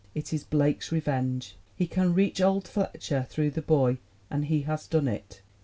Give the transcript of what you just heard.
It is Blake's revenge. He can reach old Fletcher through the boy and he has done it.